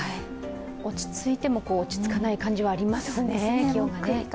落ち着いても、気温が落ち着かない感じがありますね。